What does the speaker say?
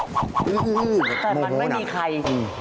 แต่มันไม่มีใคร